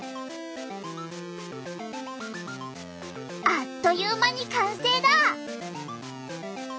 あっという間に完成だ！